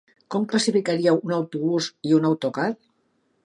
Com classificaríeu un autobús i un autocar?